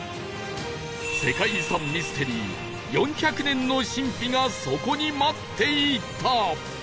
世界遺産ミステリー４００年の神秘がそこに待っていた！